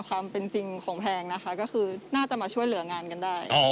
ความเป็นจริงของแพงนะคะก็คือน่าจะมาช่วยเหลืองานกันได้